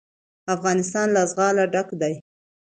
افغانستان له زغال ډک دی.